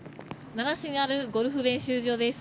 奈良市にあるゴルフ練習場です。